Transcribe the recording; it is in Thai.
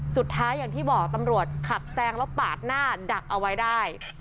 สุดท้ายอย่างที่บอกตำรวจขับแซงแล้วปาดหน้าดักเอาไว้ได้